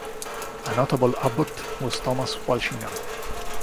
A notable abbot was Thomas Walsingham.